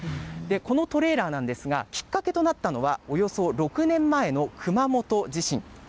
このトレーラーなんですが、きっかけとなったのはおよそ６年前の熊本地震。